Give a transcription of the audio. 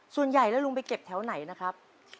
ส่วนใหญ่แล้วลุงไปเก็บแถวไหนนะครับ